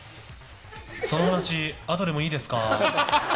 その話、あとでもいいですか？